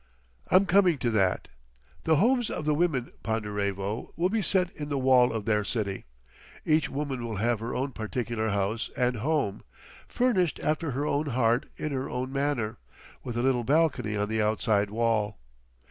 "I'm coming to that. The homes of the women, Ponderevo, will be set in the wall of their city; each woman will have her own particular house and home, furnished after her own heart in her own manner—with a little balcony on the outside wall.